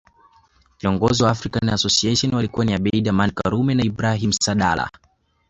Viongozi wa African Association walikuwa ni Abeid Amani Karume na Ibrahim Saadala